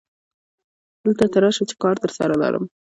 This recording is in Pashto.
دلته ته راشه چې کار درسره لرم